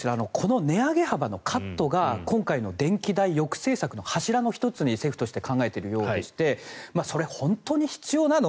値上げ幅のカットが今回の電気代抑制策の柱の１つとして政府として考えているようでしてそれ、本当に必要なの？